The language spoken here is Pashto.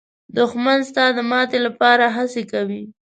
دښمن ستا د ماتې لپاره هڅې کوي